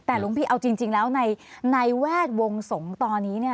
แต่หลวงพี่เอาจริงแล้วในแวดวงสงฆ์ตอนนี้เนี่ย